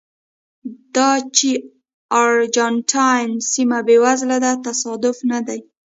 دا چې ارجنټاین سیمه بېوزله ده تصادف نه دی.